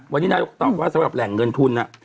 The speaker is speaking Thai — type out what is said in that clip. วันนี้นายกตอบว่าสำหรับแหล่งเงินทุน